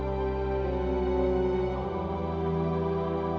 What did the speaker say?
ketemu ke cecair